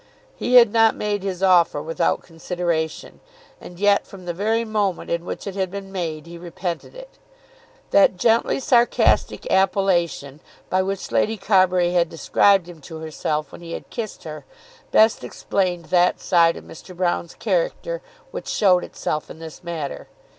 He had not made his offer without consideration, and yet from the very moment in which it had been made he repented it. That gently sarcastic appellation by which Lady Carbury had described him to herself when he had kissed her best explained that side of Mr. Broune's character which showed itself in this matter.